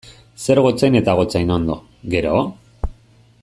Zer gotzain eta gotzainondo, gero?